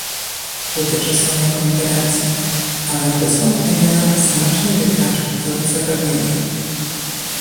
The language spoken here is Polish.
Dotyczy samej konferencji, ale bez wątpienia znacznie wykracza poza te zagadnienia